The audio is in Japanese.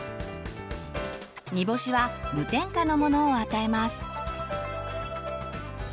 煮干しは無添加のものを与えます。